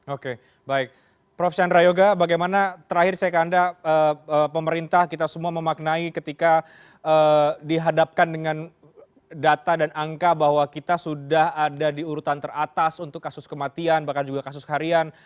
oke baik prof chandra yoga bagaimana terakhir saya ke anda pemerintah kita semua memaknai ketika dihadapkan dengan data dan angka bahwa kita sudah ada di urutan teratas untuk kasus kematian bahkan juga kasus harian